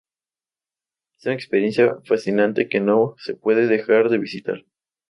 Es una experiencia fascinante que no se puede dejar de visitar.